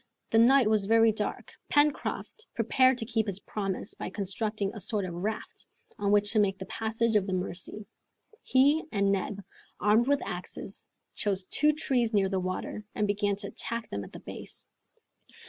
The night was very dark. Pencroft prepared to keep his promise by constructing a sort of raft, on which to make the passage of the Mercy. He and Neb, armed with axes, chose two trees near the water, and began to attack them at the base.